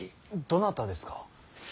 どなたですか。